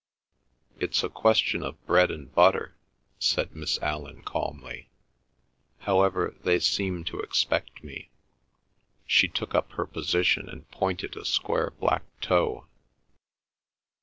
"It's a question of bread and butter," said Miss Allan calmly. "However, they seem to expect me." She took up her position and pointed a square black toe.